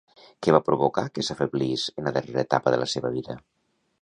Què va provocar que s'afeblís en la darrera etapa de la seva vida?